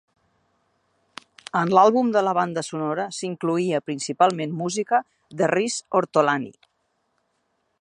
En l'àlbum de la banda sonora s'incloïa principalment música de Riz Ortolani.